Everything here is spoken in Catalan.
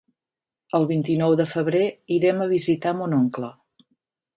El vint-i-nou de febrer irem a visitar mon oncle.